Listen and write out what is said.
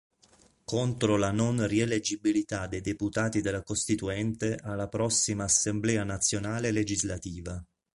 Contro la non-rieliggibilità dei deputati della Costituente alla prossima Assemblea Nazionale legislativa.